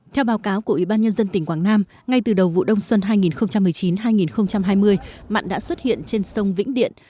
theo báo cáo của ubnd tỉnh quảng nam ngay từ đầu vụ đông xuân hai nghìn một mươi chín hai nghìn hai mươi mặn đã xuất hiện trên sông vĩnh điện